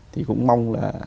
thì cũng mong là